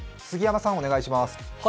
杉山さんお願いします。